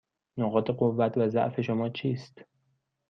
نقاط قوت و ضعف شما چیست؟